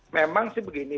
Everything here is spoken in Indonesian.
memang sih begini